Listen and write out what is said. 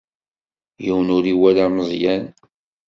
Yiwen ur iwala Meẓyan.